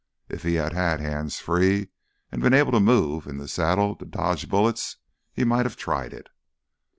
If he had had hands free and been able to move in the saddle to dodge bullets, he might have tried it.